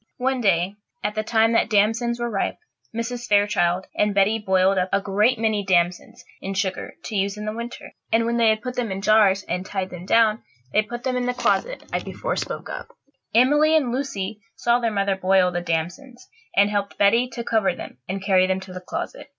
One day, at the time that damsons were ripe, Mrs. Fairchild and Betty boiled up a great many damsons in sugar, to use in the winter; and when they had put them in jars and tied them down, they put them in the closet I before spoke of. Emily and Lucy saw their mother boil the damsons, and helped Betty to cover them and carry them to the closet.